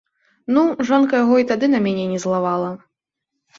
Ну, жонка яго і тады на мяне не злавала.